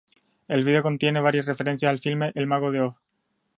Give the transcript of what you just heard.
El video contiene varias referencias al filme El Mago de Oz.